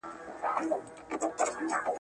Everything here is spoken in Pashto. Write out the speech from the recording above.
په خاورو کې لوبې مه کوئ.